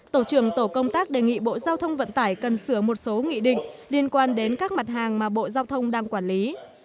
tổ trưởng tổ công tác đề nghị bộ giao thông vận tải cần sửa một số nghị định liên quan đến các mặt hàng mà bộ giao thông đang quản lý